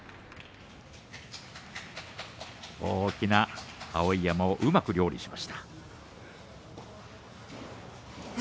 大きな碧山をうまく料理しました。